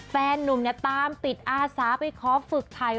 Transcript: แฟนนุ่มเนี่ยตามติดอาสาไปขอฝึกไทย